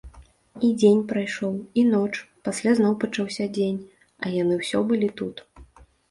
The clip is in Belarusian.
І дзень прайшоў, і ноч, пасля зноў пачаўся дзень, а яны ўсё былі тут.